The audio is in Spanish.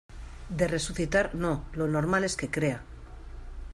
de resucitar. no . lo normal es que crea